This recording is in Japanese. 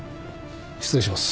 失礼します。